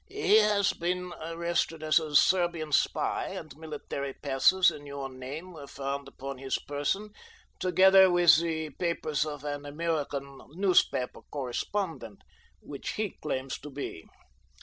"He has been arrested as a Serbian spy, and military passes in your name were found upon his person together with the papers of an American newspaper correspondent, which he claims to be.